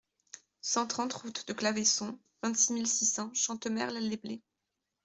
cent trente route de Claveyson, vingt-six mille six cents Chantemerle-les-Blés